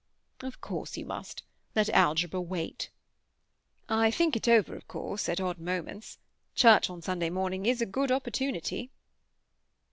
"Of course you must. Let algebra wait." "I think it over, of course, at odd moments. Church on Sunday morning is a good opportunity."